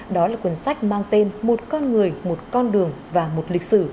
đó là cuốn sách mang tên một con người một con đường và một lịch sử